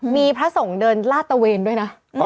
มีพระสงฆ์เดินลาดตะเวนด้วยนะ